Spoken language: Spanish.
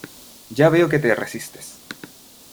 Ya veo que te resistes.